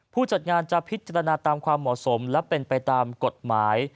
ผู้จัดงานจะพิจารณาตามความเหมาะสมและเป็นไปตามกฎหมาย